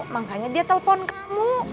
makanya dia telepon kamu